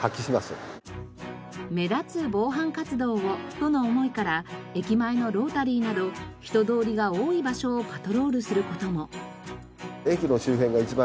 との思いから駅前のロータリーなど人通りが多い場所をパトロールする事も。